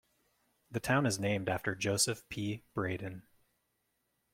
The town is named after Joseph P. Braden.